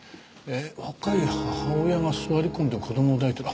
若い母親が座り込んで子供を抱いてる。